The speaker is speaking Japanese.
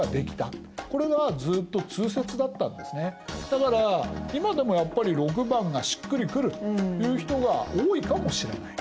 だから今でもやっぱり⑥がしっくりくるという人が多いかもしれない。